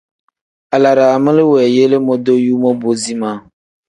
Alaraami li weeyele modoyuu mobo zimaa.